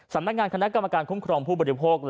สำนักงานคณะกรรมการคุ้มครองผู้บริโภค